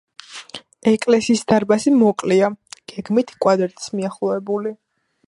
ეკლესიის დარბაზი მოკლეა, გეგმით კვადრატს მიახლოებული.